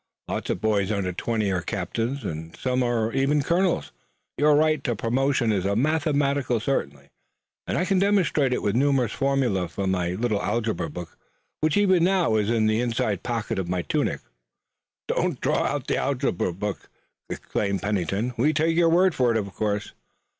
"Lots of boys under twenty are captains and some are colonels. Your right to promotion is a mathematical certainty, and I can demonstrate it with numerous formulae from the little algebra which even now is in the inside pocket of my tunic." "Don't draw the algebra!" exclaimed Pennington. "We take your word for it, of course."